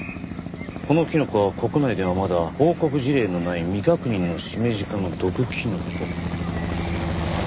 「このキノコは国内ではまだ報告事例のない未確認のシメジ科の毒キノコ」。